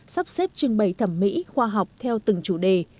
sắp xếp trưng bày thẩm mỹ khoa học theo từng chủ đề